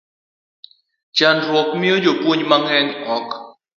Chandruogno miyo jopuonj mang'eny ok